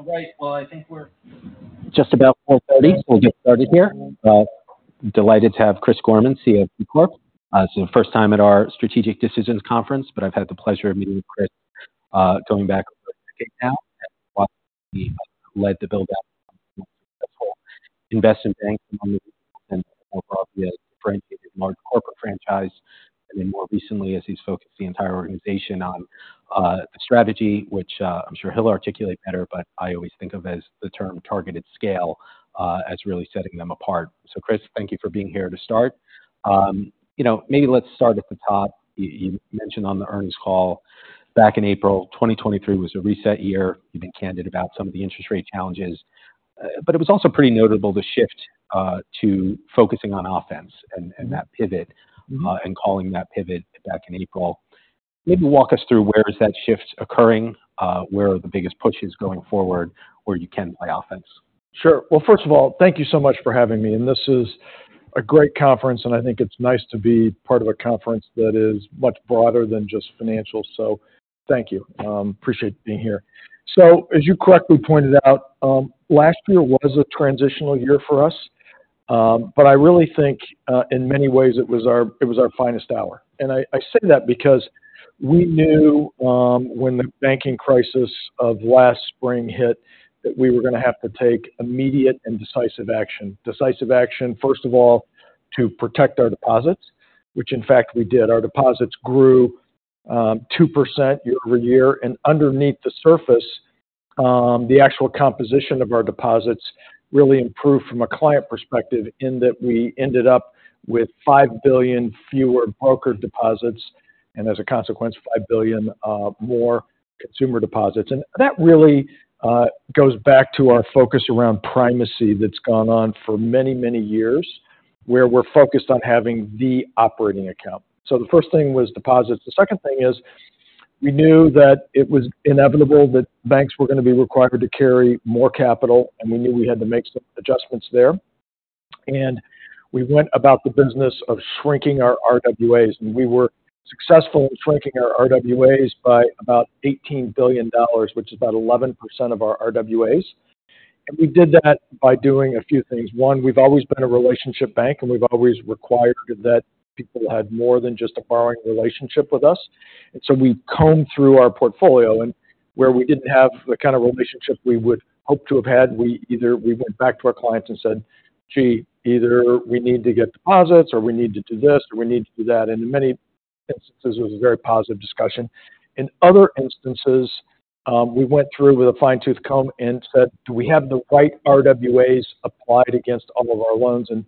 All right. Well, I think we're just about 4:30 P.M. We'll get started here. Delighted to have Chris Gorman, CEO of KeyCorp. It's your first time at our Strategic Decisions Conference, but I've had the pleasure of meeting with Chris going back over a decade now. He led the build-out successful investment bank, and more broadly, his large corporate franchise, and then more recently, as he's focused the entire organization on the strategy, which I'm sure he'll articulate better, but I always think of as the term targeted scale as really setting them apart. So Chris, thank you for being here to start. You know, maybe let's start at the top. You mentioned on the earnings call back in April 2023 was a reset year. You've been candid about some of the interest rate challenges, but it was also pretty notable to shift to focusing on offense and that pivot and calling that pivot back in April. Maybe walk us through where is that shift occurring, where are the biggest pushes going forward, where you can play offense? Sure. Well, first of all, thank you so much for having me, and this is a great conference, and I think it's nice to be part of a conference that is much broader than just financial. So thank you. Appreciate being here. So as you correctly pointed out, last year was a transitional year for us. But I really think, in many ways, it was our, it was our finest hour. And I, I say that because we knew, when the banking crisis of last spring hit, that we were gonna have to take immediate and decisive action. Decisive action, first of all, to protect our deposits, which in fact, we did. Our deposits grew 2% year-over-year, and underneath the surface, the actual composition of our deposits really improved from a client perspective, in that we ended up with $5 billion fewer brokered deposits, and as a consequence, $5 billion more consumer deposits. And that really goes back to our focus around primacy that's gone on for many, many years, where we're focused on having the operating account. So the first thing was deposits. The second thing is, we knew that it was inevitable that banks were gonna be required to carry more capital, and we knew we had to make some adjustments there. And we went about the business of shrinking our RWAs, and we were successful in shrinking our RWAs by about $18 billion, which is about 11% of our RWAs. And we did that by doing a few things. One, we've always been a relationship bank, and we've always required that people had more than just a borrowing relationship with us. And so we combed through our portfolio and where we didn't have the kind of relationship we would hope to have had, we either went back to our clients and said, "Gee, either we need to get deposits or we need to do this or we need to do that." And in many instances, it was a very positive discussion. In other instances, we went through with a fine-tooth comb and said, "Do we have the right RWAs applied against all of our loans?" And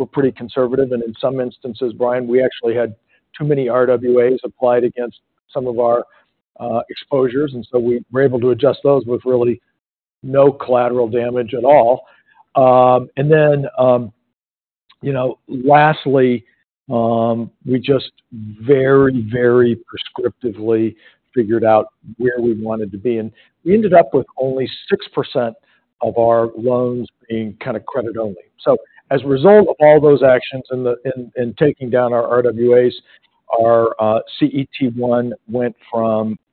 we're pretty conservative, and in some instances, Brian, we actually had too many RWAs applied against some of our exposures, and so we were able to adjust those with really no collateral damage at all. And then, you know, lastly, we just very, very prescriptively figured out where we wanted to be, and we ended up with only 6% of our loans being kind of credit only. So as a result of all those actions and then in taking down our RWAs, our CET1 went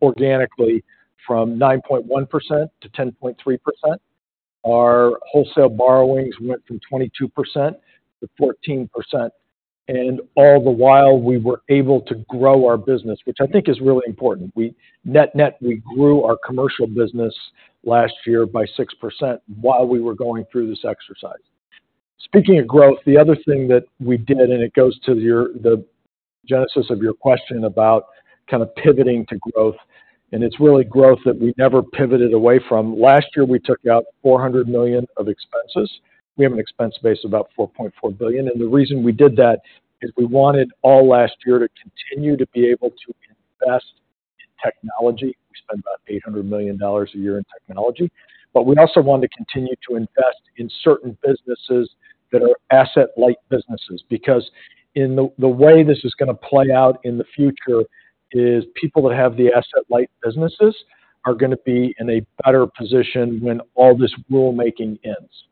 organically from 9.1% to 10.3%. Our wholesale borrowings went from 22%-14%, and all the while, we were able to grow our business, which I think is really important. We net-net, we grew our commercial business last year by 6% while we were going through this exercise. Speaking of growth, the other thing that we did, and it goes to the genesis of your question about kind of pivoting to growth, and it's really growth that we never pivoted away from. Last year, we took out $400 million of expenses. We have an expense base of about $4.4 billion, and the reason we did that is we wanted all last year to continue to be able to invest in technology. We spend about $800 million a year in technology, but we also wanted to continue to invest in certain businesses that are asset-light businesses, because in the way this is gonna play out in the future is people that have the asset-light businesses are gonna be in a better position when all this rulemaking ends.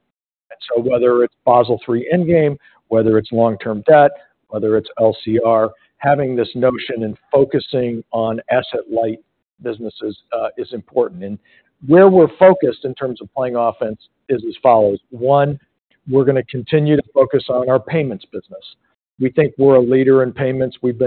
And so whether it's Basel III Endgame, whether it's long-term debt, whether it's LCR, having this notion and focusing on asset-light businesses is important. And where we're focused in terms of playing offense is as follows: One, we're gonna continue to focus on our payments business. We think we're a leader in payments. We've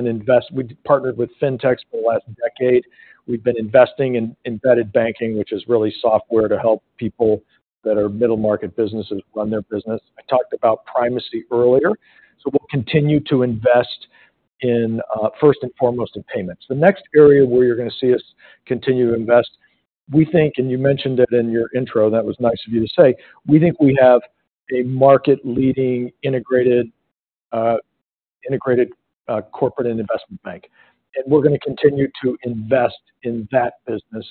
partnered with fintechs for the last decade. We've been investing in embedded banking, which is really software to help people that are middle-market businesses run their business. I talked about primacy earlier, so we'll continue to invest in, first and foremost, in payments. The next area where you're gonna see us continue to invest, we think, and you mentioned it in your intro, that was nice of you to say, we think we have a market-leading, integrated corporate and investment bank, and we're gonna continue to invest in that business.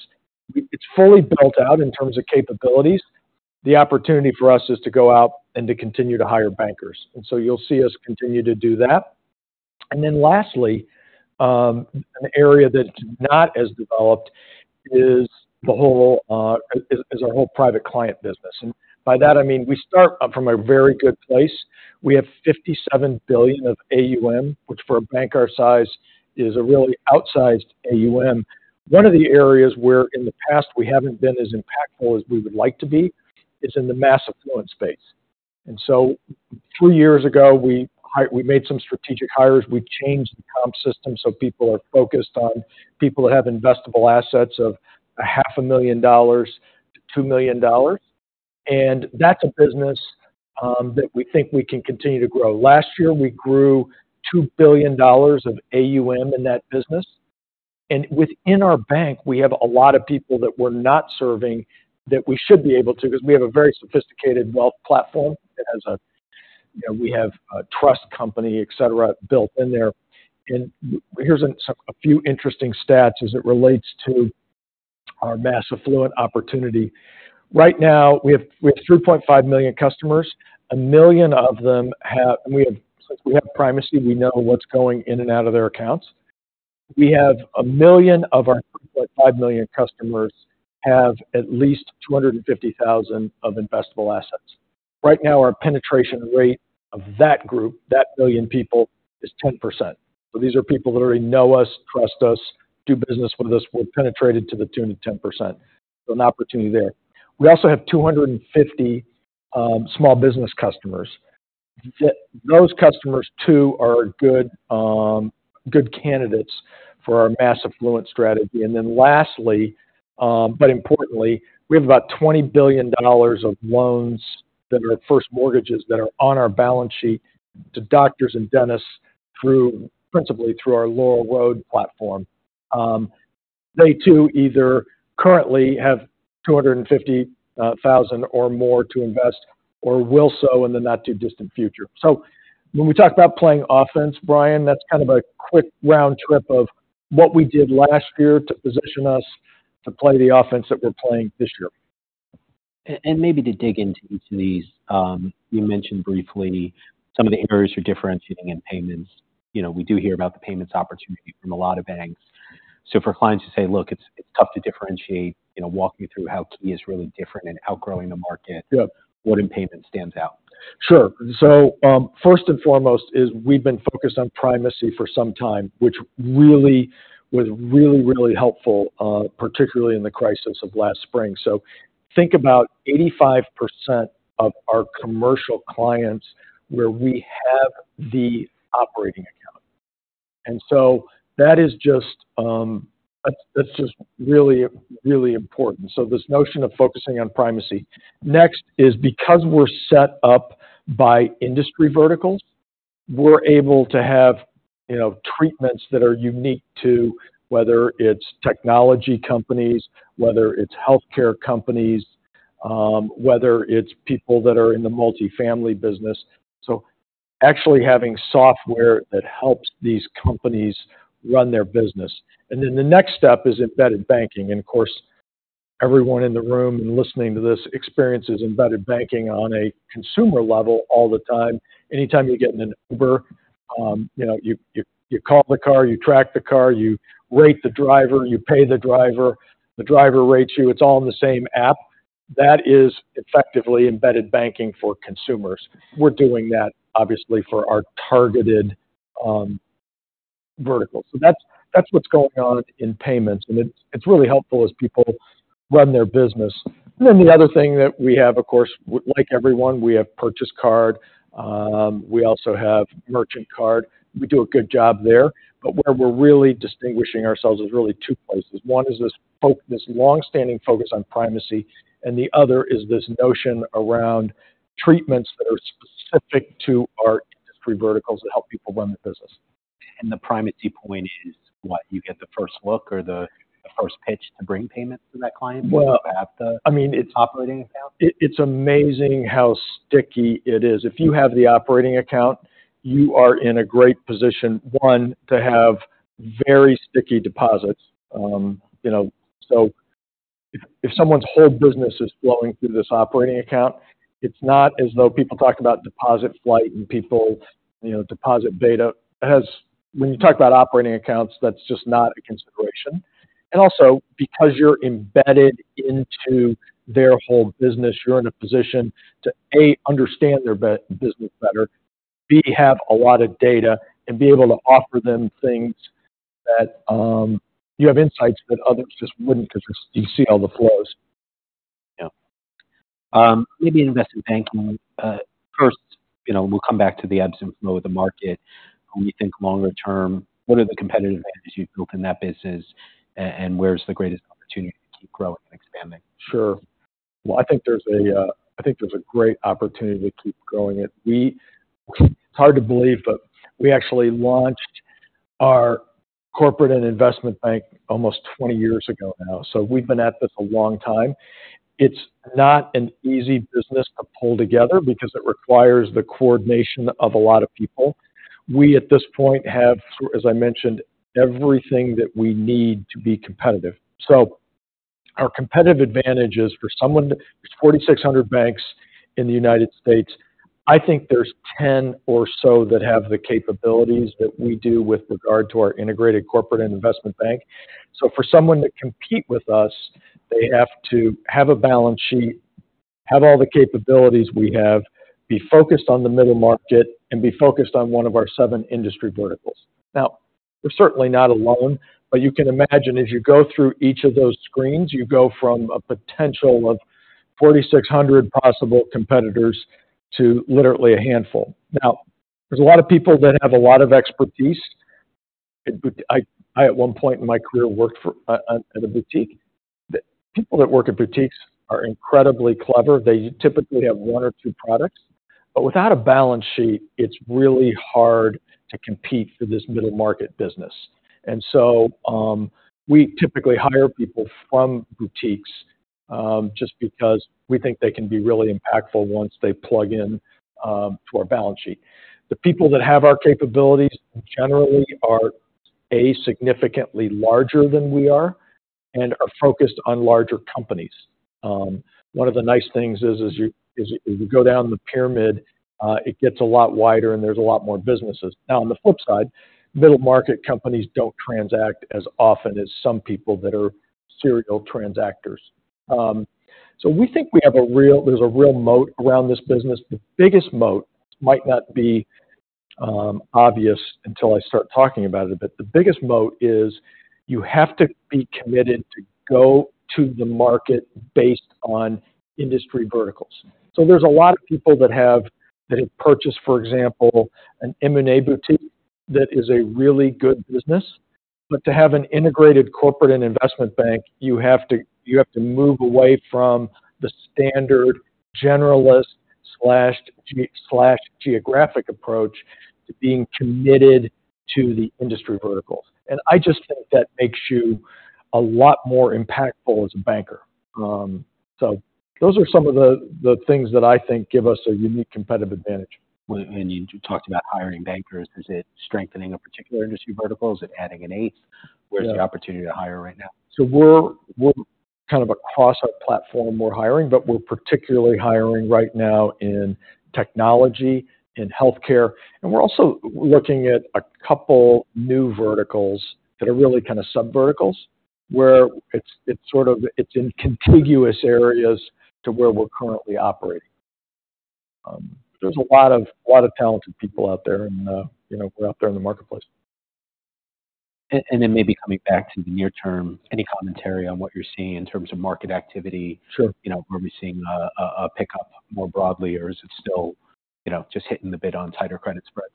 It's fully built out in terms of capabilities. The opportunity for us is to go out and to continue to hire bankers, and so you'll see us continue to do that. And then lastly, an area that's not as developed is the whole, is our whole private client business. And by that, I mean, we start up from a very good place. We have $57 billion of AUM, which for a bank our size, is a really outsized AUM. One of the areas where in the past we haven't been as impactful as we would like to be, is in the mass affluent space. And so two years ago, we made some strategic hires. We changed the comp system, so people are focused on people that have investable assets of $0.5 million-$2 million. And that's a business that we think we can continue to grow. Last year, we grew $2 billion of AUM in that business, and within our bank, we have a lot of people that we're not serving that we should be able to, because we have a very sophisticated wealth platform. It has, you know, we have a trust company, et cetera, built in there. And here's a few interesting stats as it relates to our mass affluent opportunity. Right now, we have 3.5 million customers. A million of them have—and we have—since we have primacy, we know what's going in and out of their accounts. We have a million of our 3.5 million customers have at least 250,000 of investable assets. Right now, our penetration rate of that group, that million people, is 10%. So these are people that already know us, trust us, do business with us. We're penetrated to the tune of 10%, so an opportunity there. We also have 250 small business customers. Those customers, too, are good, good candidates for our mass affluent strategy. And then lastly, but importantly, we have about $20 billion of loans that are at first mortgages that are on our balance sheet to doctors and dentists through principally through our Laurel Road platform. They, too, either currently have 250,000 or more to invest or will so in the not-too-distant future. So when we talk about playing offense, Brian, that's kind of a quick round trip of what we did last year to position us to play the offense that we're playing this year. And maybe to dig into each of these, you mentioned briefly some of the areas you're differentiating in payments. You know, we do hear about the payments opportunity from a lot of banks. So for clients who say, "Look, it's tough to differentiate," you know, walk me through how Key is really different in outgrowing the market? Yeah. What in payment stands out? Sure. So, first and foremost, is we've been focused on primacy for some time, which really was really, really helpful, particularly in the crisis of last spring. So think about 85% of our commercial clients, where we have the operating account. And so that is just, that's, that's just really, really important. So this notion of focusing on primacy. Next, is because we're set up by industry verticals, we're able to have, you know, treatments that are unique to whether it's technology companies, whether it's healthcare companies, whether it's people that are in the multifamily business, so actually having software that helps these companies run their business. And then the next step is embedded banking. And of course, everyone in the room and listening to this, experiences embedded banking on a consumer level all the time. Anytime you get in an Uber, you know, you call the car, you track the car, you rate the driver, you pay the driver, the driver rates you, it's all in the same app. That is effectively embedded banking for consumers. We're doing that, obviously, for our targeted verticals. So that's, that's what's going on in payments, and it's, it's really helpful as people run their business. Then the other thing that we have, of course, like everyone, we have purchase card. We also have merchant card. We do a good job there, but where we're really distinguishing ourselves is really two places. One is this long-standing focus on primacy, and the other is this notion around treatments that are specific to our industry verticals that help people run their business. The primacy point is what? You get the first look or the first pitch to bring payments to that client- Well- - you have the- I mean, it's- - operating account?... It's amazing how sticky it is. If you have the operating account, you are in a great position, one, to have very sticky deposits. You know, so if someone's whole business is flowing through this operating account, it's not as though people talk about deposit flight and people, you know, deposit beta. It has. When you talk about operating accounts, that's just not a consideration. And also, because you're embedded into their whole business, you're in a position to, A, understand their business better, B, have a lot of data and be able to offer them things that you have insights that others just wouldn't, because you see all the flows. Yeah. Maybe investment banking. First, you know, we'll come back to the ebbs and flows of the market. When you think longer term, what are the competitive advantages you've built in that business, and where's the greatest opportunity to keep growing and expanding? Sure. Well, I think there's a great opportunity to keep growing it. It's hard to believe, but we actually launched our corporate and investment bank almost 20 years ago now. So we've been at this a long time. It's not an easy business to pull together because it requires the coordination of a lot of people. We, at this point, have, as I mentioned, everything that we need to be competitive. So our competitive advantage is for someone. There's 4,600 banks in the United States. I think there's 10 or so that have the capabilities that we do with regard to our integrated corporate and investment bank. So for someone to compete with us, they have to have a balance sheet, have all the capabilities we have, be focused on the middle market, and be focused on one of our seven industry verticals. Now, we're certainly not alone, but you can imagine as you go through each of those screens, you go from a potential of 4,600 possible competitors to literally a handful. Now, there's a lot of people that have a lot of expertise. But I at one point in my career worked at a boutique. People that work at boutiques are incredibly clever. They typically have one or two products, but without a balance sheet, it's really hard to compete for this middle-market business. And so, we typically hire people from boutiques just because we think they can be really impactful once they plug in to our balance sheet. The people that have our capabilities generally are a significantly larger than we are and are focused on larger companies. One of the nice things is, as you, as you go down the pyramid, it gets a lot wider and there's a lot more businesses. Now, on the flip side, middle-market companies don't transact as often as some people that are serial transactors. So we think we have a real, there's a real moat around this business. The biggest moat might not be obvious until I start talking about it, but the biggest moat is you have to be committed to go to the market based on industry verticals. So there's a lot of people that have purchased, for example, an M&A boutique that is a really good business. But to have an integrated corporate and investment bank, you have to, you have to move away from the standard generalist/geographic approach to being committed to the industry verticals. I just think that makes you a lot more impactful as a banker. So those are some of the, the things that I think give us a unique competitive advantage. Well, and you talked about hiring bankers. Is it strengthening a particular industry vertical? Is it adding an eighth? Yeah. Where's the opportunity to hire right now? So we're kind of across our platform, we're hiring, but we're particularly hiring right now in technology and healthcare, and we're also looking at a couple new verticals that are really kind of sub-verticals, where it's sort of in contiguous areas to where we're currently operating. There's a lot of talented people out there and, you know, we're out there in the marketplace. And then maybe coming back to the near term, any commentary on what you're seeing in terms of market activity? Sure. You know, are we seeing a pickup more broadly, or is it still, you know, just hitting the bid on tighter credit spreads?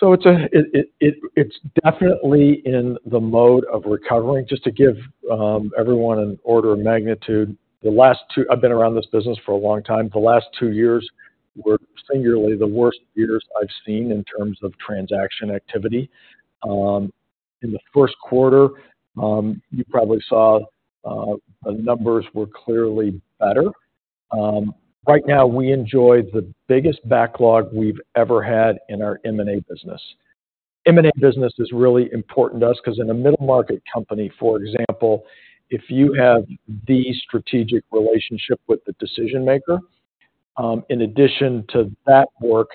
So it's definitely in the mode of recovering. Just to give everyone an order of magnitude, the last two, I've been around this business for a long time, the last two years were singularly the worst years I've seen in terms of transaction activity. In the first quarter, you probably saw the numbers were clearly better. Right now, we enjoy the biggest backlog we've ever had in our M&A business. M&A business is really important to us 'cause in a middle-market company, for example, if you have the strategic relationship with the decision maker, in addition to that work,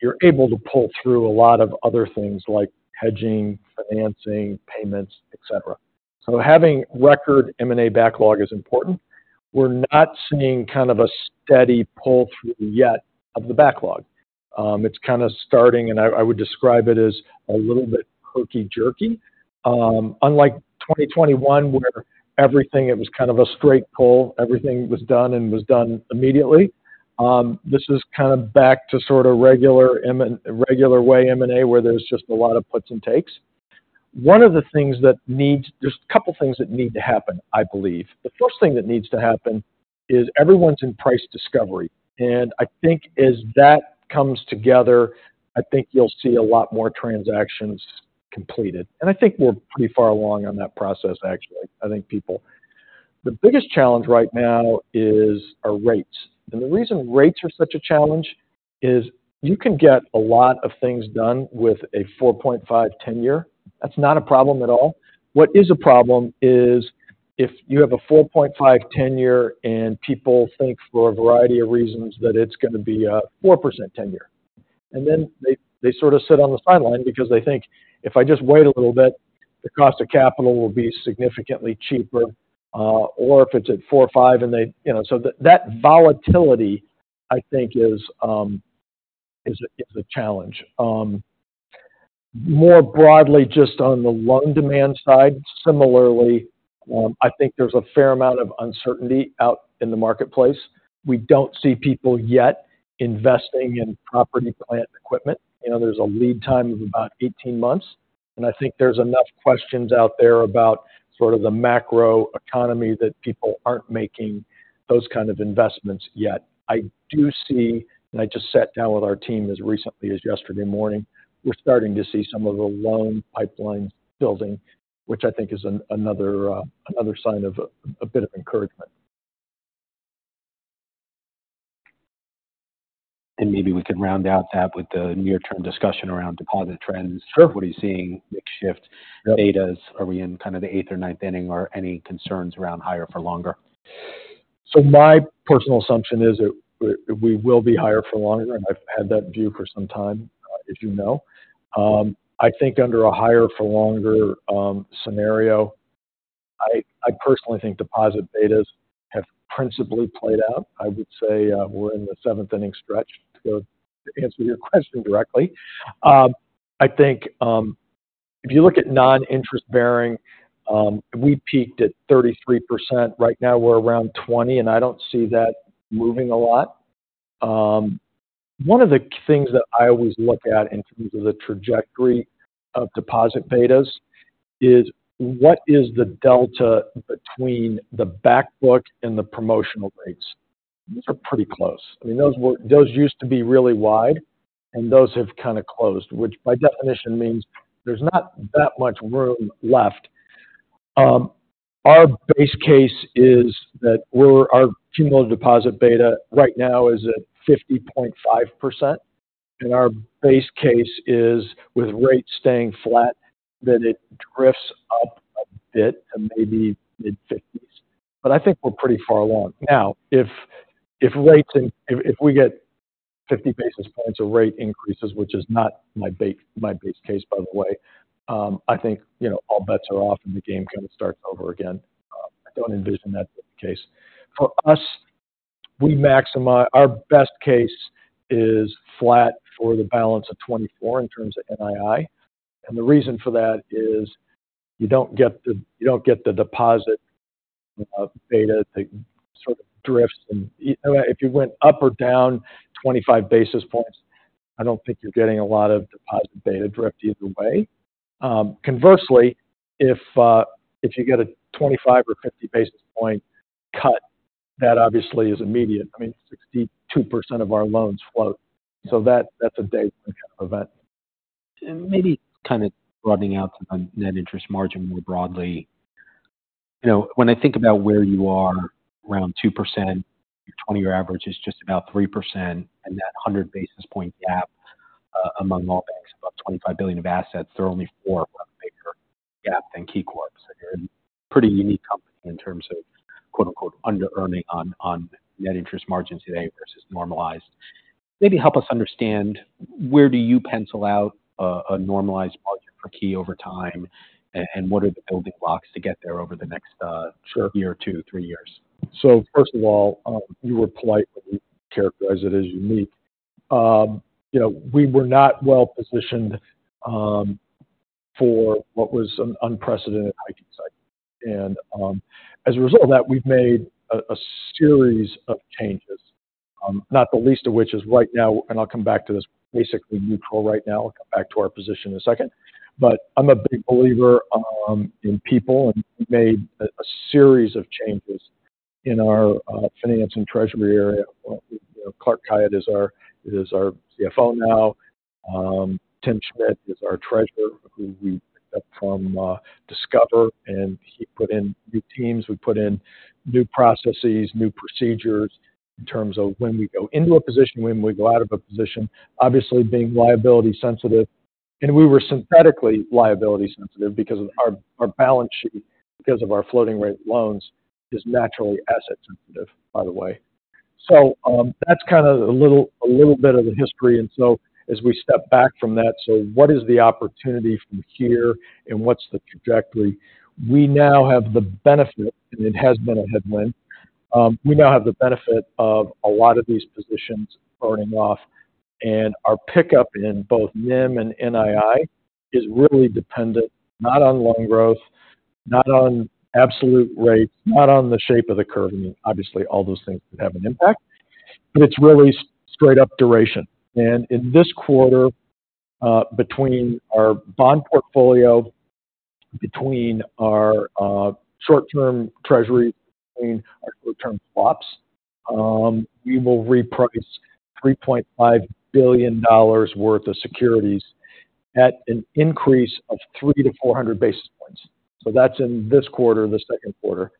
you're able to pull through a lot of other things like hedging, financing, payments, et cetera. So having record M&A backlog is important. We're not seeing kind of a steady pull-through yet of the backlog. It's kind of starting, and I would describe it as a little bit herky-jerky. Unlike 2021, where everything, it was kind of a straight pull, everything was done and was done immediately, this is kind of back to sort of regular way M&A, where there's just a lot of puts and takes. One of the things that needs to happen. There's a couple things that need to happen, I believe. The first thing that needs to happen is everyone's in price discovery, and I think as that comes together, I think you'll see a lot more transactions completed. And I think we're pretty far along on that process, actually, I think people. The biggest challenge right now is our rates. And the reason rates are such a challenge is you can get a lot of things done with a 4.5 10-year. That's not a problem at all. What is a problem is if you have a 4.5% 10-year, and people think for a variety of reasons, that it's gonna be a 4% 10-year, and then they sort of sit on the sideline because they think, "If I just wait a little bit, the cost of capital will be significantly cheaper," or if it's at 4 or 5 and they... You know, so that volatility, I think, is a challenge. More broadly, just on the loan demand side, similarly, I think there's a fair amount of uncertainty out in the marketplace. We don't see people yet investing in property, plant, and equipment. You know, there's a lead time of about 18 months, and I think there's enough questions out there about sort of the macro economy that people aren't making those kind of investments yet. I do see, and I just sat down with our team as recently as yesterday morning, we're starting to see some of the loan pipeline building, which I think is another sign of a bit of encouragement. Maybe we could round out that with the near-term discussion around deposit trends. Sure. What are you seeing, mix shift, betas? Are we in kind of the eighth or ninth inning, or any concerns around higher for longer?... So my personal assumption is that we will be higher for longer, and I've had that view for some time, as you know. I think under a higher for longer scenario, I personally think deposit betas have principally played out. I would say, we're in the seventh inning stretch, to go to answer your question directly. I think, if you look at non-interest-bearing, we peaked at 33%. Right now, we're around 20, and I don't see that moving a lot. One of the things that I always look at in terms of the trajectory of deposit betas is, what is the delta between the back book and the promotional rates? Those are pretty close. I mean, those used to be really wide, and those have kind of closed, which by definition means there's not that much room left. Our base case is that our cumulative deposit beta right now is at 50.5%, and our base case is, with rates staying flat, that it drifts up a bit to maybe mid-50s. But I think we're pretty far along. Now, if we get 50 basis points of rate increases, which is not my base case, by the way, I think, you know, all bets are off, and the game kind of starts over again. I don't envision that to be the case. For us, our best case is flat for the balance of 2024 in terms of NII. The reason for that is you don't get the deposit beta to sort of drift. You know, if you went up or down 25 basis points, I don't think you're getting a lot of deposit beta drift either way. Conversely, if you get a 25 or 50 basis point cut, that obviously is immediate. I mean, 62% of our loans float, so that's a day kind of event. And maybe kind of broadening out on net interest margin more broadly. You know, when I think about where you are, around 2%, your 20-year average is just about 3%, and that 100 basis point gap, among all banks, above $25 billion of assets, there are only 4 have a bigger gap than KeyCorp. So you're a pretty unique company in terms of, quote, unquote, “under-earning on net interest margins today versus normalized.” Maybe help us understand, where do you pencil out, a normalized margin for Key over time, and what are the building blocks to get there over the next, Sure... year or two, three years? So first of all, you were polite to characterize it as unique. You know, we were not well-positioned for what was an unprecedented hiking cycle. And, as a result of that, we've made a series of changes, not the least of which is right now, and I'll come back to this, basically neutral right now. I'll come back to our position in a second. But I'm a big believer in people, and we made a series of changes in our finance and treasury area. You know, Clark Khayat is our CFO now. Tim Schmidt is our treasurer, who we picked up from Discover, and he put in new teams, we put in new processes, new procedures, in terms of when we go into a position, when we go out of a position, obviously being liability sensitive. We were synthetically liability sensitive because of our, our balance sheet, because of our floating rate loans, is naturally asset sensitive, by the way. So, that's kind of a little, a little bit of the history. And so as we step back from that, so what is the opportunity from here, and what's the trajectory? We now have the benefit, and it has been a headwind, we now have the benefit of a lot of these positions starting off, and our pickup in both NIM and NII is really dependent, not on loan growth, not on absolute rates, not on the shape of the curve. I mean, obviously, all those things would have an impact, but it's really straight up duration. And in this quarter, between our bond portfolio, between our short-term treasury, between our short-term swaps, we will reprice $3.5 billion worth of securities at an increase of 300-400 basis points. So that's in this quarter, the second quarter.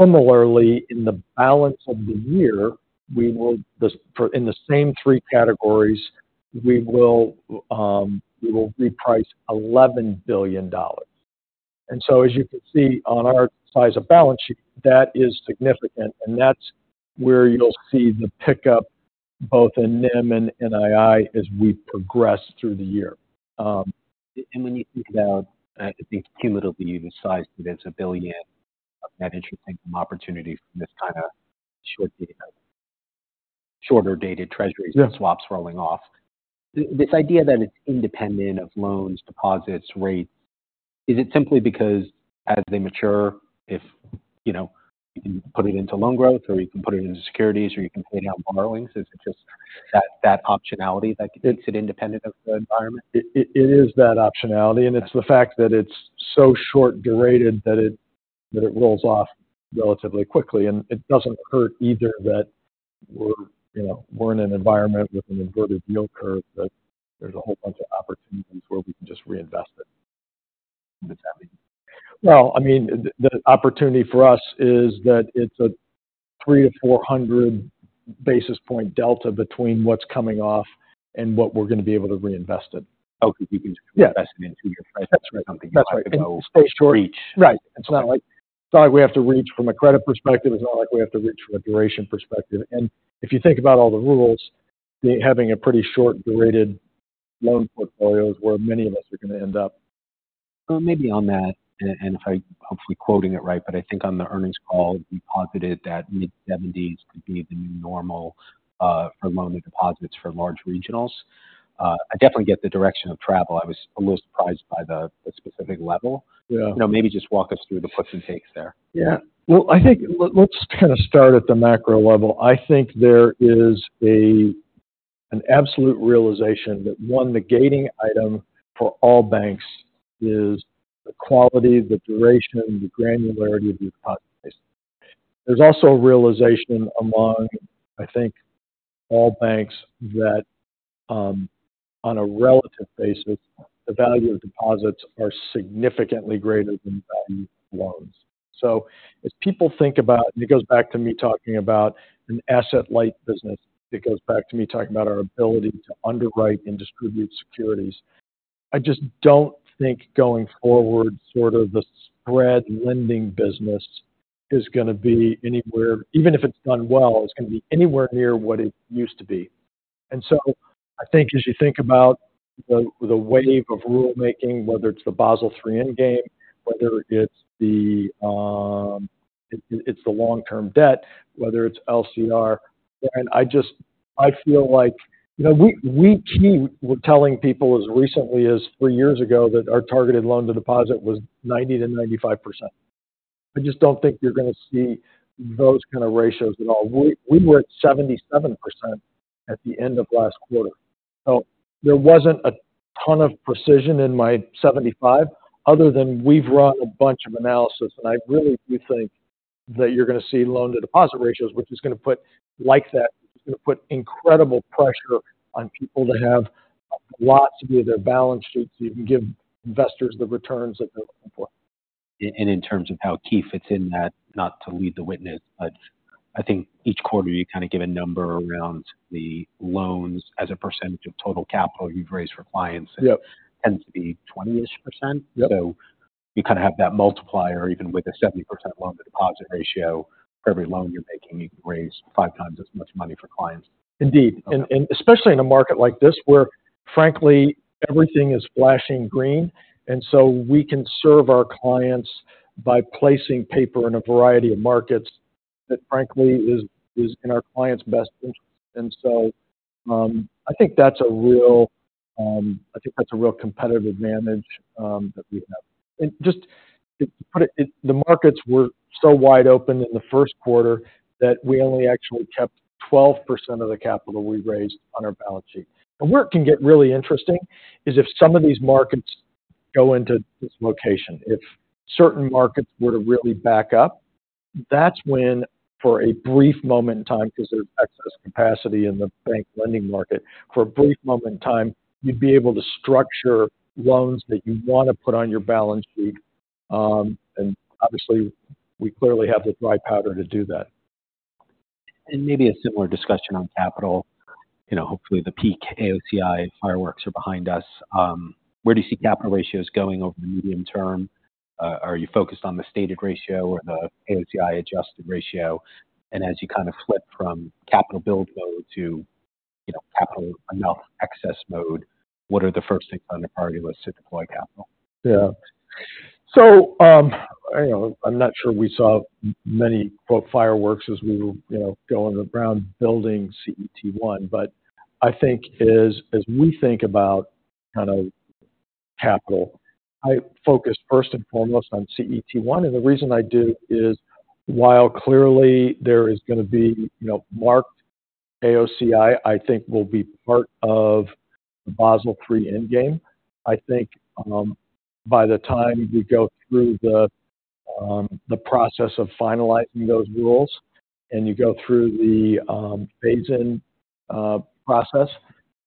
Similarly, in the balance of the year, we will in the same three categories, we will reprice $11 billion. And so as you can see on our size of balance sheet, that is significant, and that's where you'll see the pickup, both in NIM and NII, as we progress through the year. And when you think about, I think cumulatively, the size of it, it's $1 billion of net interest income opportunity from this kind of short, you know, shorter-dated Treasuries. Yeah... and swaps rolling off. This idea that it's independent of loans, deposits, rates, is it simply because as they mature, if, you know, you can put it into loan growth, or you can put it into securities, or you can pay down borrowings, is it just that, that optionality that makes it independent of the environment? It is that optionality, and it's the fact that it's so short-durated that it rolls off relatively quickly. And it doesn't hurt either that we're, you know, in an environment with an inverted yield curve, that there's a whole bunch of opportunities where we can just reinvest it. That's happening. Well, I mean, the opportunity for us is that it's a 300-400 basis point delta between what's coming off and what we're going to be able to reinvest it. Okay, you can- Yeah. Invest into your price. That's right. Something you want to know, reach. Right. It's not like, it's not like we have to reach from a credit perspective. It's not like we have to reach from a duration perspective. If you think about all the rules, having a pretty short-durated loan portfolio is where many of us are going to end up. Well, maybe on that, and if I hopefully quoting it right, but I think on the earnings call, you posited that mid-seventies could be the new normal for loan deposits for large regionals. I definitely get the direction of travel. I was a little surprised by the specific level. Yeah. You know, maybe just walk us through the puts and takes there. Yeah. Well, I think let's kind of start at the macro level. I think there is a, an absolute realization that, one, the gating item for all banks is the quality, the duration, the granularity of the deposit base. There's also a realization among, I think, all banks that, on a relative basis, the value of deposits are significantly greater than the value of loans. So as people think about, and it goes back to me talking about an asset-light business, it goes back to me talking about our ability to underwrite and distribute securities. I just don't think going forward, sort of the spread lending business is gonna be anywhere, even if it's done well, it's gonna be anywhere near what it used to be. And so I think as you think about the wave of rulemaking, whether it's the Basel III endgame, whether it's the long-term debt, whether it's LCR, and I just feel like, you know, we keep telling people as recently as three years ago, that our targeted loan-to-deposit was 90%-95%. I just don't think you're gonna see those kind of ratios at all. We were at 77% at the end of last quarter. So there wasn't a ton of precision in my 75, other than we've run a bunch of analysis, and I really do think that you're gonna see loan-to-deposit ratios which is gonna put incredible pressure on people to have lots of their balance sheets, so you can give investors the returns that they're looking for. In terms of how Key fits in that, not to lead the witness, but I think each quarter you kind of give a number around the loans as a percentage of total capital you've raised for clients- Yep. -tends to be 20-ish%? Yep. So you kind of have that multiplier, even with a 70% loan-to-deposit ratio. For every loan you're making, you can raise 5 times as much money for clients. Indeed. Okay. And especially in a market like this, where, frankly, everything is flashing green, and so we can serve our clients by placing paper in a variety of markets that, frankly, is in our clients' best interest. And so, I think that's a real competitive advantage that we have. And just to put it, the markets were so wide open in the first quarter that we only actually kept 12% of the capital we raised on our balance sheet. And where it can get really interesting is if some of these markets go into this location. If certain markets were to really back up, that's when, for a brief moment in time, because there's excess capacity in the bank lending market, for a brief moment in time, you'd be able to structure loans that you want to put on your balance sheet. And obviously, we clearly have the dry powder to do that. Maybe a similar discussion on capital. You know, hopefully, the peak AOCI fireworks are behind us. Where do you see capital ratios going over the medium term? Are you focused on the stated ratio or the AOCI adjusted ratio? And as you kind of flip from capital build mode to, you know, capital enough excess mode, what are the first things on the priority list to deploy capital? Yeah. So, you know, I'm not sure we saw many, quote, "fireworks" as we were, you know, going around building CET1. But I think as we think about kind of capital, I focus first and foremost on CET1, and the reason I do is, while clearly there is gonna be, you know, marked AOCI, I think will be part of the Basel III endgame. I think, by the time you go through the process of finalizing those rules and you go through the phase in process,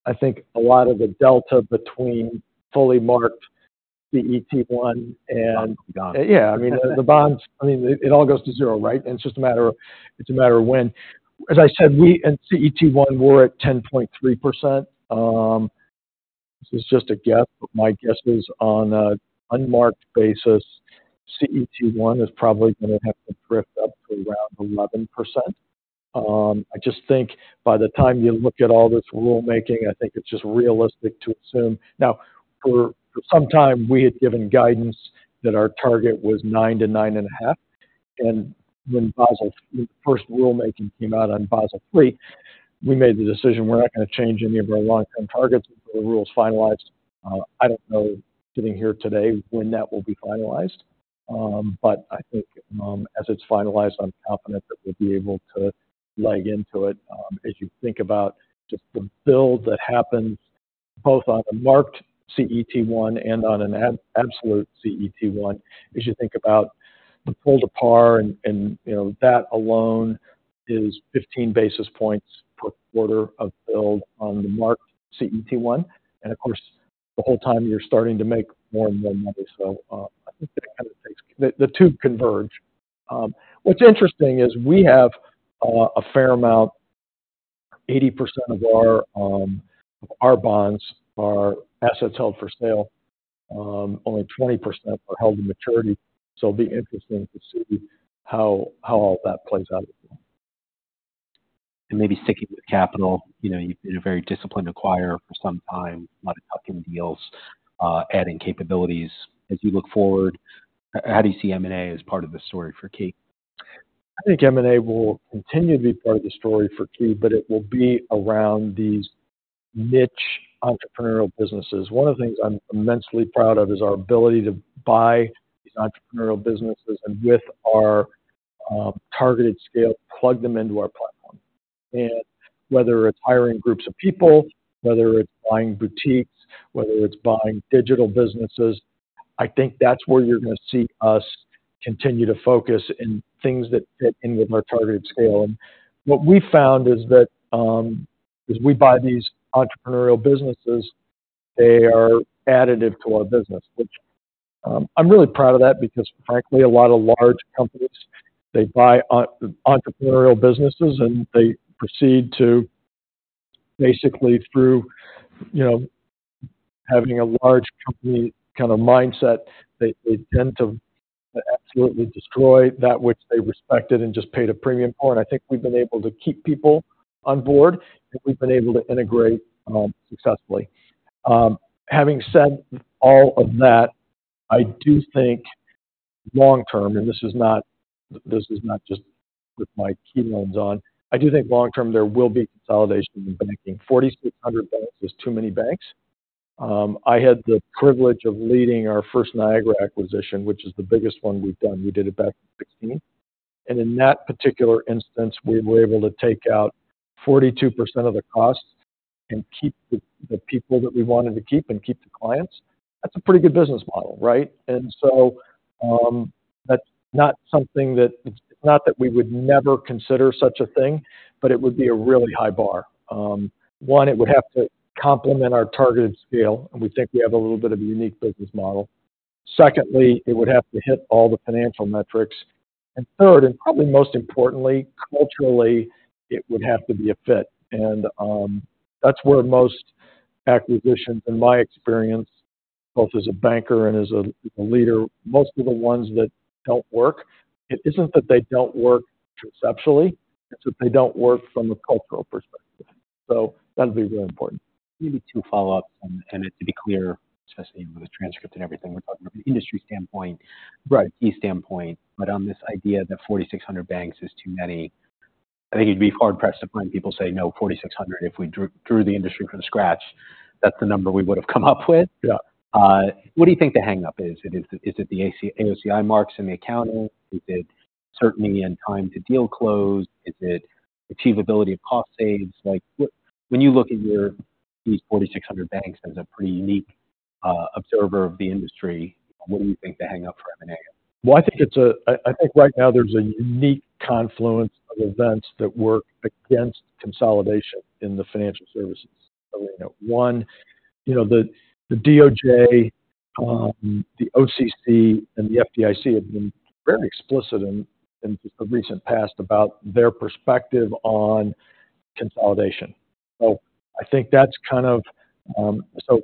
I think a lot of the delta between fully marked CET1 and- Bonds. Yeah, I mean, the bonds-- I mean, it all goes to zero, right? And it's just a matter of, it's a matter of when. As I said, we-- in CET1, we're at 10.3%. This is just a guess, but my guess is on a unmarked basis, CET1 is probably gonna have to drift up to around 11%. I just think by the time you look at all this rulemaking, I think it's just realistic to assume. Now, for some time, we had given guidance that our target was 9%-9.5%. And when Basel-- the first rulemaking came out on Basel III, we made the decision we're not gonna change any of our long-term targets, the rules finalized. I don't know, sitting here today, when that will be finalized. But I think, as it's finalized, I'm confident that we'll be able to leg into it. As you think about just the build that happened, both on a marked CET1 and on an absolute CET1, as you think about the pull to par and, you know, that alone is 15 basis points per quarter of build on the marked CET1. And of course, the whole time you're starting to make more and more money. So, I think that the two converge. What's interesting is we have a fair amount, 80% of our bonds are assets held for sale, only 20% are held to maturity. So it'll be interesting to see how all that plays out. Maybe sticking with capital, you know, you've been a very disciplined acquirer for some time, a lot of tuck-in deals, adding capabilities. As you look forward, how do you see M&A as part of the story for Key? I think M&A will continue to be part of the story for Key, but it will be around these niche entrepreneurial businesses. One of the things I'm immensely proud of is our ability to buy these entrepreneurial businesses and with our targeted scale, plug them into our platform. And whether it's hiring groups of people, whether it's buying boutiques, whether it's buying digital businesses, I think that's where you're gonna see us continue to focus in things that fit in with our targeted scale. What we found is that, as we buy these entrepreneurial businesses, they are additive to our business, which, I'm really proud of that because frankly, a lot of large companies, they buy entrepreneurial businesses, and they proceed to basically through, you know, having a large company kind of mindset, they tend to absolutely destroy that which they respected and just paid a premium for. I think we've been able to keep people on board, and we've been able to integrate successfully. Having said all of that, I do think long term, and this is not, this is not just with my KeyCorp lens on, I do think long term there will be consolidation in banking. 4,600 banks is too many banks. I had the privilege of leading our First Niagara acquisition, which is the biggest one we've done. We did it back in 2016, and in that particular instance, we were able to take out 42% of the costs and keep the, the people that we wanted to keep and keep the clients. That's a pretty good business model, right? And so, that's not something that... It's not that we would never consider such a thing, but it would be a really high bar. One, it would have to complement our targeted scale, and we think we have a little bit of a unique business model. Secondly, it would have to hit all the financial metrics. And third, and probably most importantly, culturally, it would have to be a fit. That's where most acquisitions, in my experience, both as a banker and as a leader, most of the ones that don't work, it isn't that they don't work conceptually, it's that they don't work from a cultural perspective. So that'll be really important. Maybe two follow-ups, and, and to be clear, especially with the transcript and everything, we're talking from an industry standpoint. Right. Key standpoint, but on this idea that 4,600 banks is too many, I think you'd be hard-pressed to find people say, "No, 4,600, if we drew the industry from scratch, that's the number we would have come up with. Yeah. What do you think the hangup is? Is it, is it the AOCI marks and the accounting? Is it certainty and time to deal close? Is it achievability of cost saves? Like, what—when you look at your, these 4,600 banks as a pretty unique observer of the industry, what do you think the hangup for M&A is? Well, I think right now there's a unique confluence of events that work against consolidation in the financial services. One, you know, the DOJ, the OCC and the FDIC have been very explicit in the recent past about their perspective on consolidation. So I think that's kind of so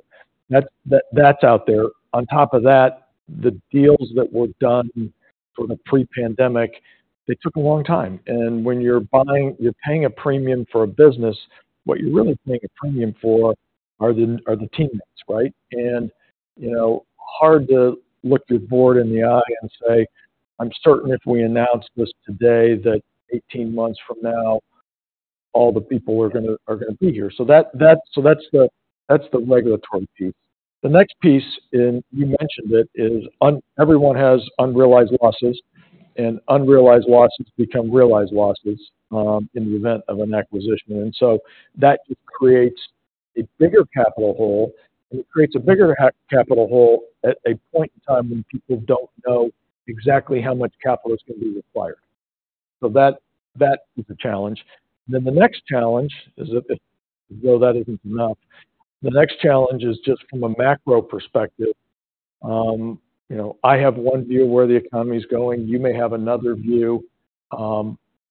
that, that's out there. On top of that, the deals that were done from the pre-pandemic, they took a long time. And when you're buying, you're paying a premium for a business, what you're really paying a premium for are the teammates, right? And, you know, hard to look your board in the eye and say: I'm certain if we announce this today, that 18 months from now, all the people are gonna be here. So that's the regulatory piece. The next piece, and you mentioned it, is everyone has unrealized losses, and unrealized losses become realized losses in the event of an acquisition. And so that creates a bigger capital hole, and it creates a bigger capital hole at a point in time when people don't know exactly how much capital is going to be required. So that, that is a challenge. Then the next challenge is, as though that isn't enough, the next challenge is just from a macro perspective. You know, I have one view of where the economy is going, you may have another view.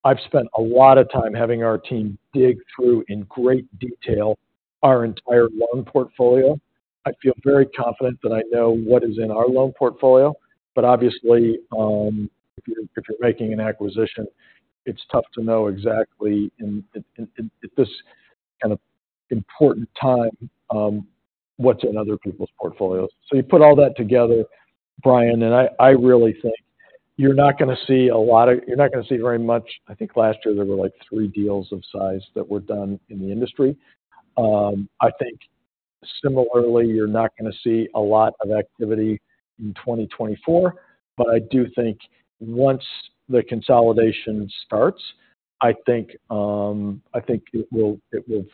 I've spent a lot of time having our team dig through, in great detail, our entire loan portfolio. I feel very confident that I know what is in our loan portfolio, but obviously, if you're making an acquisition, it's tough to know exactly, in this kind of important time, what's in other people's portfolios. So you put all that together, Brian, and I really think you're not gonna see a lot of... You're not gonna see very much. I think last year there were, like, three deals of size that were done in the industry. I think similarly, you're not gonna see a lot of activity in 2024, but I do think once the consolidation starts, I think it will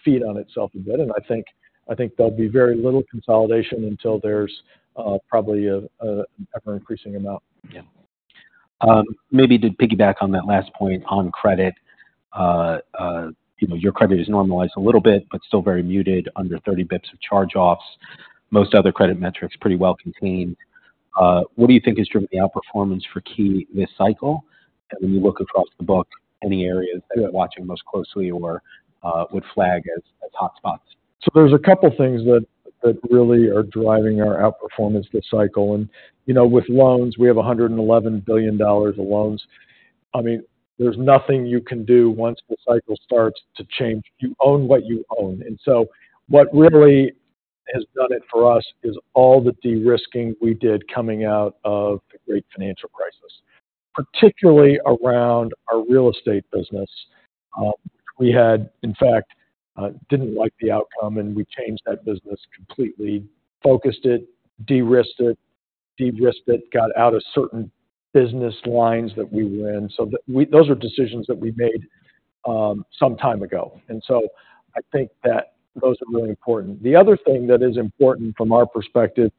feed on itself a bit. And I think there'll be very little consolidation until there's probably an ever-increasing amount. Maybe to piggyback on that last point on credit, you know, your credit is normalized a little bit, but still very muted, under 30 bits of charge-offs. Most other credit metrics pretty well contained. What do you think is driving the outperformance for Key this cycle? And when you look across the book, any areas that you're watching most closely or would flag as hotspots? So there's a couple things that, that really are driving our outperformance this cycle. And, you know, with loans, we have $111 billion of loans. I mean, there's nothing you can do once the cycle starts to change. You own what you own. And so what really has done it for us is all the de-risking we did coming out of the great financial crisis, particularly around our real estate business. We had, in fact, didn't like the outcome, and we changed that business completely: focused it, de-risked it, de-risked it, got out of certain business lines that we were in. So those are decisions that we made, some time ago. And so I think that those are really important. The other thing that is important from our perspective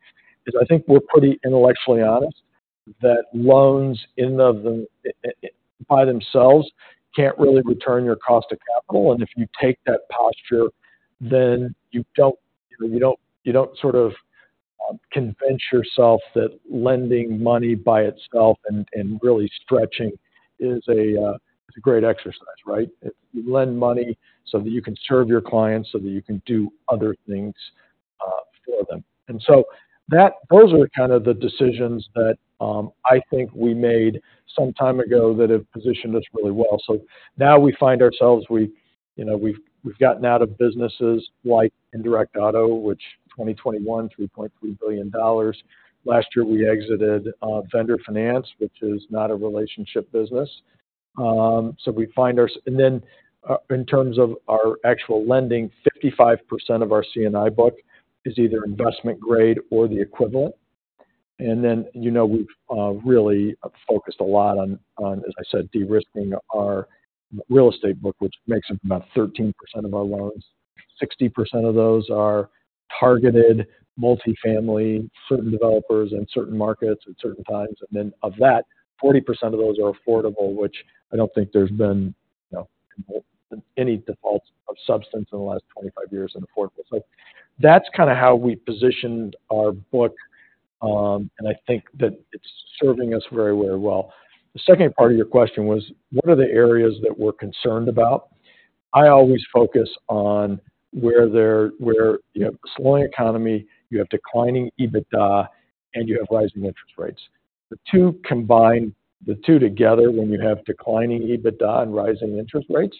is I think we're pretty intellectually honest that loans in and of themselves can't really return your cost of capital. And if you take that posture, then you don't sort of convince yourself that lending money by itself and really stretching is a great exercise, right? You lend money so that you can serve your clients, so that you can do other things for them. And so that those are the kind of the decisions that I think we made some time ago that have positioned us really well. So now we find ourselves, we, you know, we've gotten out of businesses like indirect auto, which 2021, $3.3 billion. Last year, we exited vendor finance, which is not a relationship business. And then, in terms of our actual lending, 55% of our C&I book is either investment grade or the equivalent. And then, you know, we've really focused a lot on, as I said, de-risking our real estate book, which makes up about 13% of our loans. 60% of those are targeted multifamily, certain developers in certain markets at certain times. And then of that, 40% of those are affordable, which I don't think there's been, you know, any defaults of substance in the last 25 years in affordable. So that's kind of how we positioned our book, and I think that it's serving us very, very well. The second part of your question was, what are the areas that we're concerned about? I always focus on where you have a slowing economy, you have declining EBITDA, and you have rising interest rates. The two combined, the two together, when you have declining EBITDA and rising interest rates,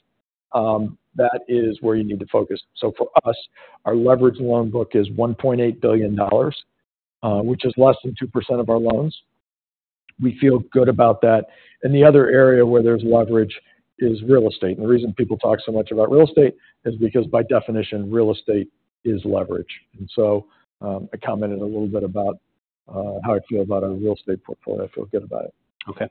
that is where you need to focus. So for us, our leverage loan book is $1.8 billion, which is less than 2% of our loans. We feel good about that. And the other area where there's leverage is real estate. And the reason people talk so much about real estate is because, by definition, real estate is leverage. And so, I commented a little bit about how I feel about our real estate portfolio. I feel good about it. Okay.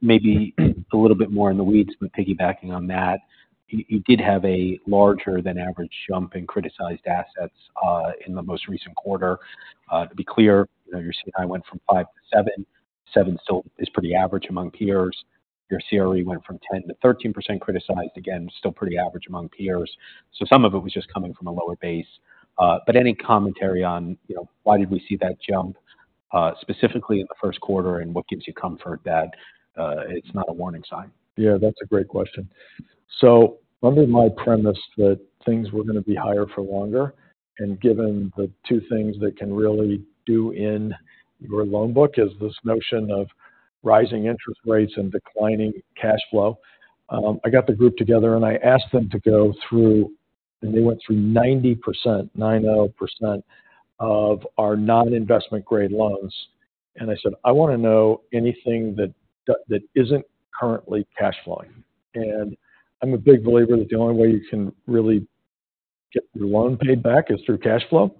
Maybe a little bit more in the weeds, but piggybacking on that, you did have a larger than average jump in criticized assets in the most recent quarter. To be clear, you know, your C&I went from 5 to 7. 7 still is pretty average among peers. Your CRE went from 10%-13% criticized. Again, still pretty average among peers. So some of it was just coming from a lower base. But any commentary on, you know, why did we see that jump specifically in the first quarter, and what gives you comfort that it's not a warning sign? Yeah, that's a great question. So under my premise that things were gonna be higher for longer, and given the two things that can really do in your loan book, is this notion of rising interest rates and declining cash flow. I got the group together, and I asked them to go through, and they went through 90%, 90% of our non-investment-grade loans. And I said: I wanna know anything that isn't currently cash flowing. And I'm a big believer that the only way you can really get your loan paid back is through cash flow.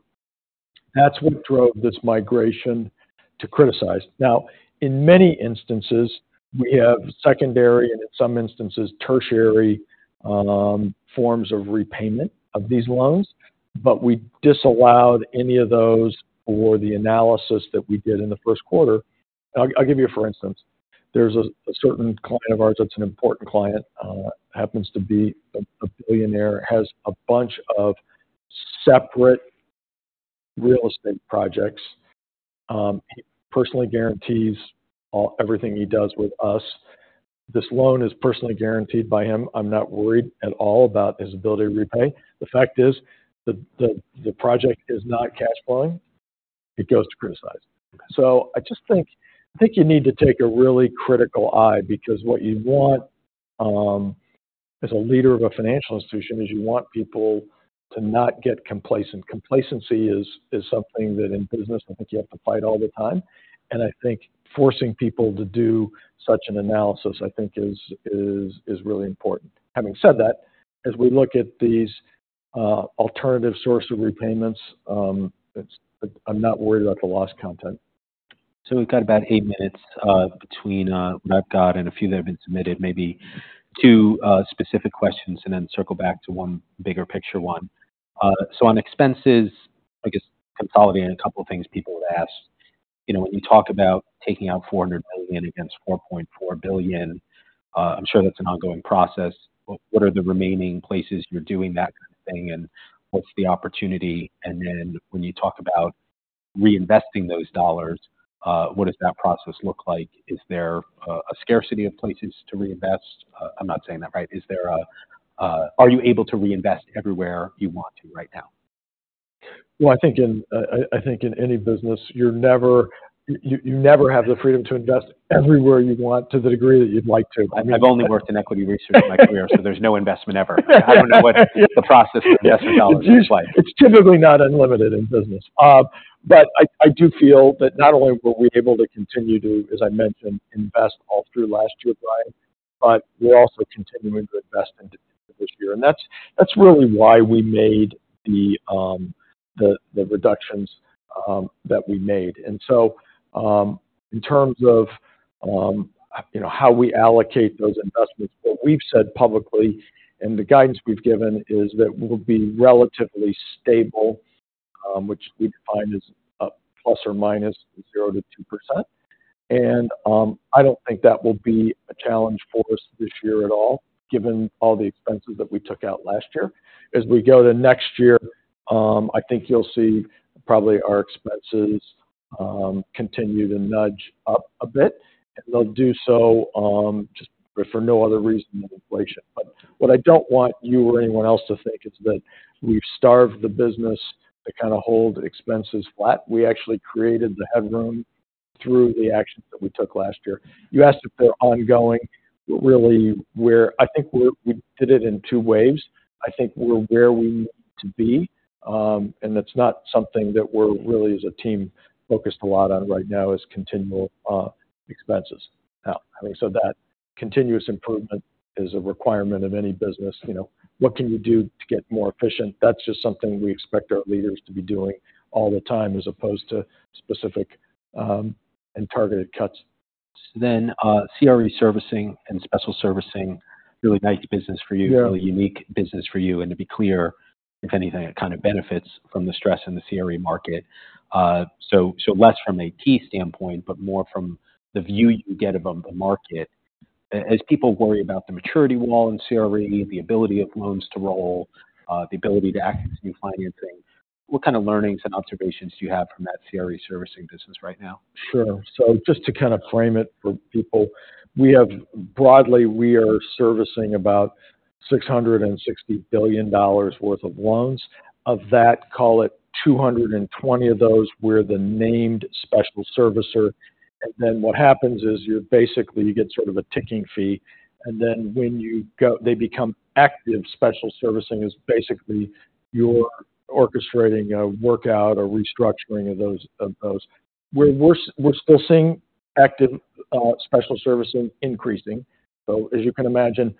That's what drove this migration to criticized. Now, in many instances, we have secondary and in some instances, tertiary, forms of repayment of these loans, but we disallowed any of those for the analysis that we did in the first quarter. I'll give you a for instance. There's a certain client of ours that's an important client, happens to be a billionaire, has a bunch of separate real estate projects. He personally guarantees all, everything he does with us. This loan is personally guaranteed by him. I'm not worried at all about his ability to repay. The fact is, the project is not cash flowing, it goes to criticized. So I just think you need to take a really critical eye, because what you want, as a leader of a financial institution, is you want people to not get complacent. Complacency is something that in business, I think you have to fight all the time. And I think forcing people to do such an analysis is really important. Having said that, as we look at these alternative source of repayments, I'm not worried about the loss content. So we've got about eight minutes between what I've got and a few that have been submitted, maybe two specific questions and then circle back to one bigger picture one. So, on expenses, I guess consolidating a couple things people have asked. You know, when you talk about taking out $400 million against $4.4 billion, I'm sure that's an ongoing process, but what are the remaining places you're doing that kind of thing, and what's the opportunity? And then when you talk about reinvesting those dollars, what does that process look like? Is there a scarcity of places to reinvest? I'm not saying that right. Is there a... Are you able to reinvest everywhere you want to right now? Well, I think in any business, you never have the freedom to invest everywhere you'd want to the degree that you'd like to. I've only worked in equity research in my career, so there's no investment ever. I don't know what the process for investing dollars looks like. It's usually, it's typically not unlimited in business. But I do feel that not only were we able to continue to, as I mentioned, invest all through last year, Brian, but we're also continuing to invest in this year. And that's really why we made the reductions that we made. And so, in terms of, you know, how we allocate those investments, what we've said publicly and the guidance we've given, is that we'll be relatively stable, which we define as ±0%-2%. And I don't think that will be a challenge for us this year at all, given all the expenses that we took out last year. As we go to next year, I think you'll see probably our expenses continue to nudge up a bit, and they'll do so just for no other reason than inflation. But what I don't want you or anyone else to think is that we've starved the business to kind of hold expenses flat. We actually created the headroom through the actions that we took last year. You asked if they're ongoing. Really, I think we did it in two waves. I think we're where we need to be, and that's not something that we're really, as a team, focused a lot on right now, is continual expenses. Now, I mean, so that continuous improvement is a requirement of any business. You know, what can you do to get more efficient? That's just something we expect our leaders to be doing all the time, as opposed to specific, and targeted cuts. Then, CRE servicing and special servicing, really nice business for you- Yeah. Really unique business for you. And to be clear, if anything, it kind of benefits from the stress in the CRE market. So less from a Key standpoint, but more from the view you get of a market. As people worry about the maturity wall in CRE, the ability of loans to roll, the ability to access new financing, what kind of learnings and observations do you have from that CRE servicing business right now? Sure. So just to kind of frame it for people, we have broadly, we are servicing about $660 billion worth of loans. Of that, call it 220 of those we're the named special servicer. And then what happens is, you're basically, you get sort of a ticking fee, and then when you go they become active, special servicing is basically you're orchestrating a workout or restructuring of those, of those. We're still seeing active special servicing increasing, so as you can imagine,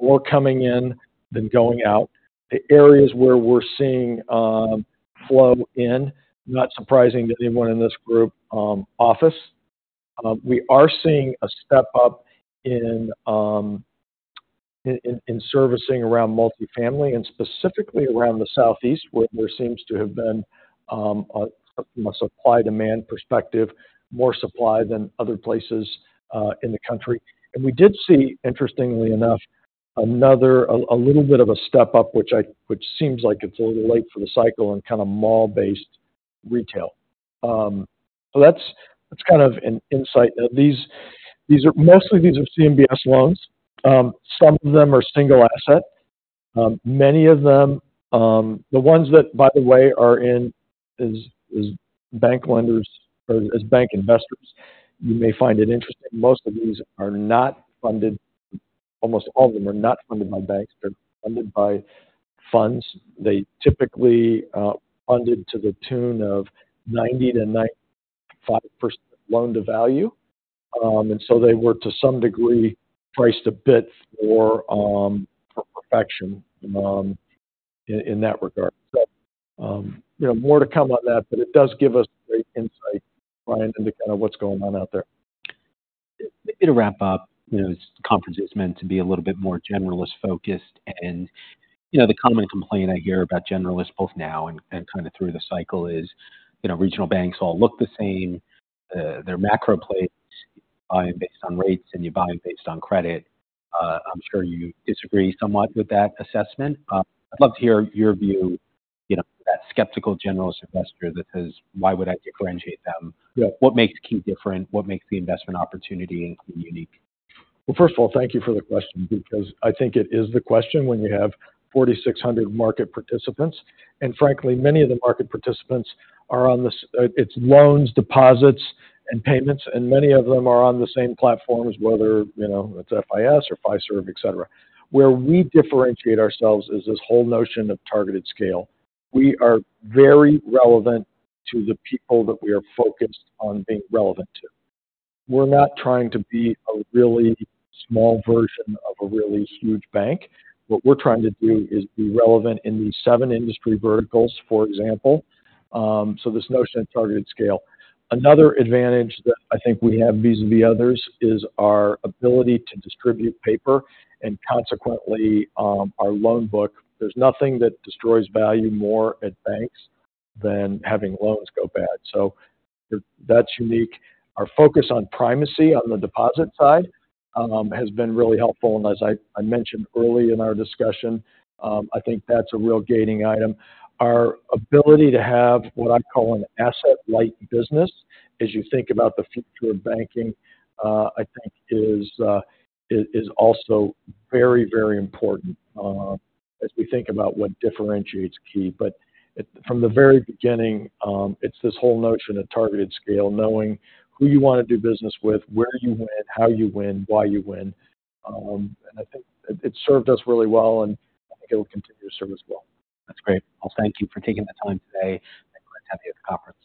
more coming in than going out. The areas where we're seeing flow in, not surprising to anyone in this group, office. We are seeing a step-up in servicing around multifamily and specifically around the Southeast, where there seems to have been, from a supply-demand perspective, more supply than other places in the country. We did see, interestingly enough, another little bit of a step up, which seems like it's a little late for the cycle and kind of mall-based retail. So that's kind of an insight. Now, these are mostly CMBS loans. Some of them are single asset. Many of them, the ones that, by the way, are in as bank lenders, or as bank investors, you may find it interesting, most of these are not funded, almost all of them are not funded by banks. They're funded by funds. They typically funded to the tune of 90%-95% loan-to-value. And so they were, to some degree, priced a bit for perfection in that regard. So, you know, more to come on that, but it does give us great insight, Brian, into kind of what's going on out there. In a wrap-up, you know, this conference is meant to be a little bit more generalist-focused. And, you know, the common complaint I hear about generalists, both now and kind of through the cycle is, you know, regional banks all look the same. Their macro plays based on rates, and you buy based on credit. I'm sure you disagree somewhat with that assessment. I'd love to hear your view, you know, that skeptical generalist investor that says: "Why would I differentiate them? Yeah. What makes Key different? What makes the investment opportunity unique? Well, first of all, thank you for the question because I think it is the question when you have 4,600 market participants, and frankly, many of the market participants are on the s-, it's loans, deposits, and payments, and many of them are on the same platform as whether, you know, it's FIS or Fiserv, et cetera. Where we differentiate ourselves is this whole notion of targeted scale. We are very relevant to the people that we are focused on being relevant to. We're not trying to be a really small version of a really huge bank. What we're trying to do is be relevant in these seven industry verticals, for example. So this notion of targeted scale. Another advantage that I think we have vis-a-vis others is our ability to distribute paper and consequently, our loan book. There's nothing that destroys value more at banks than having loans go bad, so that's unique. Our focus on primacy on the deposit side has been really helpful, and as I mentioned early in our discussion, I think that's a real gaining item. Our ability to have what I call an asset-light business, as you think about the future of banking, I think is also very, very important, as we think about what differentiates Key. But from the very beginning, it's this whole notion of targeted scale, knowing who you wanna do business with, where you win, how you win, why you win. And I think it served us really well, and I think it will continue to serve us well. That's great. Well, thank you for taking the time today, and for attending the conference.